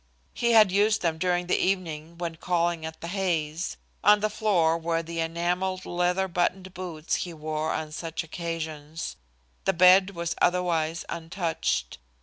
He had used them during the evening when calling at the Hays'. On the floor were the enamelled leather buttoned boots he wore on such occasions. The bed was otherwise untouched.